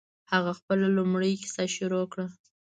هغه خپله لومړۍ کیسه شروع کړه.